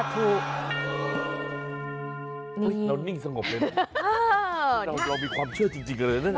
เฮ่ยเรานิ่งสงบเลยหรอเรามีความเชื่อจริงแล้วน่ะ